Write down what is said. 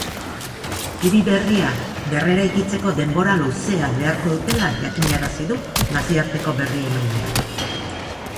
Hiri berria berreraikitzeko denbora luzea beharko dutela jakinarazi du nazioarteko berriemaileak.